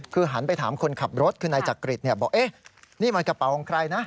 คือหันไปถามคนขับรถคือนายจักริตบอกนี่มันกระเป๋าของใครนะ